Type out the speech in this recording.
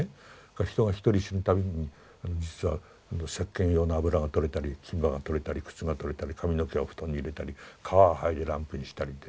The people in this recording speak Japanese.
人が一人死ぬ度に実はせっけん用の油が取れたり金歯が取れたり靴が取れたり髪の毛は布団に入れたり皮ははいでランプにしたりで。